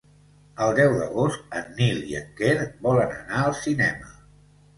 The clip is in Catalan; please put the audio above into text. El deu d'agost en Nil i en Quer volen anar al cinema.